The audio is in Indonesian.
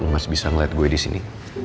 mas bisa ngeliat gue di sini